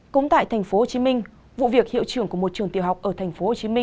cũng tại tp hcm vụ việc hiệu trưởng của một trường tiểu học ở tp hcm